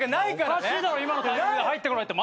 ・おかしいだろ今のタイミングで入ってこないって。